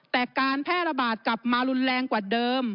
แต่การแพร่ระบาดกลับมารุนแรงกว่าเดิม